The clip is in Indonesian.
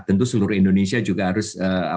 tentu seluruh indonesia juga harus